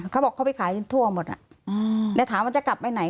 เขาบอกเขาไปขายทั่วหมดแล้วถามว่าจะกลับไปไหน